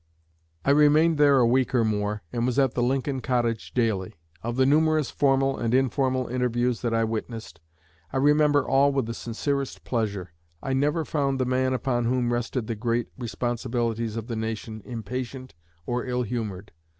I remained there a week or more, and was at the Lincoln cottage daily. Of the numerous formal and informal interviews that I witnessed, I remember all with the sincerest pleasure. I never found the man upon whom rested the great responsibilities of the nation impatient or ill humored.